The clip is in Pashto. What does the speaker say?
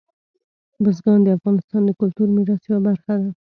بزګان د افغانستان د کلتوري میراث یوه برخه ده.